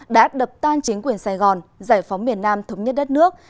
đã đập tan chính quyền sài gòn giải phóng miền nam thống nhất đất nước